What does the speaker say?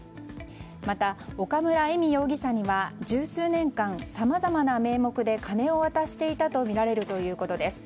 また、岡村恵美容疑者には十数年間さまざまな名目で金を渡していたとみられるということです。